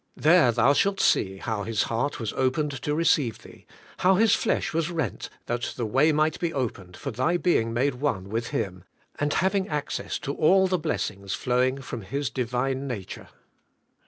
There thou shalt see how His heart was opened to receive thee ; how His flesh was rent that 88 ABIDE IN CHRIST: the way might be opened for thy being made one with Him, and having access to all the blessings flow ing from His Divine nature.'